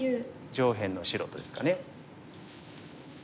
上辺の白とですかね。